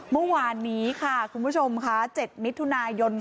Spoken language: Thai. เมื่อวานนี้ค่ะคุณผู้ชมค่ะ๗มิถุนายน๒๕